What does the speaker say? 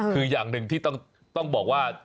คืออย่างหนึ่งที่ต้องบอกว่า